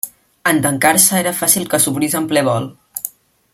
En tancar-se era fàcil que s'obrís en ple vol.